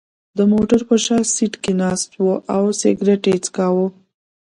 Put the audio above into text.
د موټر په شا سېټ کې ناست و او سګرېټ یې څکاو.